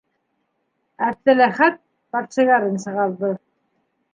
Әптеләхәт, портсигарын сығарҙы: